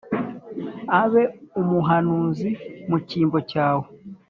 abe umuhanuzi mu cyimbo cyawe.